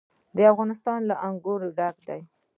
افغانستان له انګور ډک دی.